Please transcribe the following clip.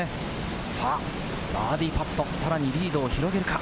バーディーパット、さらにリードを広げるか？